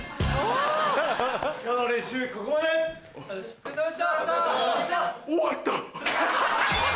お疲れさまでした！